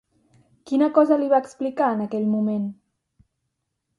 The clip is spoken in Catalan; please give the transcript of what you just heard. Quina cosa li va explicar, en aquell moment?